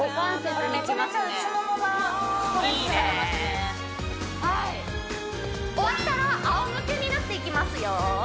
これめちゃめちゃ内ももがストレッチだいいねー終わったらあおむけになっていきますよ